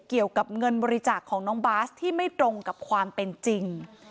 เกี่ยวกับเงินบริจาคของน้องบาสที่ไม่ตรงกับความเป็นจริง